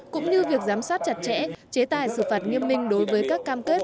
cũng như việc giám sát chặt chẽ chế tài xử phạt nghiêm minh đối với các cam kết